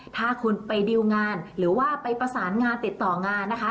ถ้าคุณไปดิวงานหรือว่าไปประสานงานติดต่องานนะคะ